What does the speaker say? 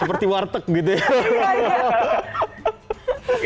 seperti warteg gitu ya